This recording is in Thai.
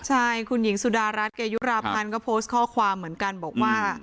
ใช่คุณหญิงสุดารัฐเกยุราพันธ์ก็โพสต์ข้อความเหมือนกันบอกว่า